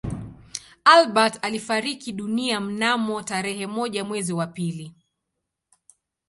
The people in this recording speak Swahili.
Albert alifariki dunia mnamo tarehe moja mwezi wa pili